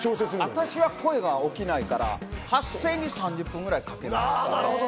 私は声が起きないから、発声に３０分ぐらいかけますから。